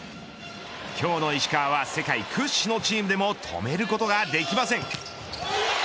今日の石川は世界屈指のチームでも止めることができません。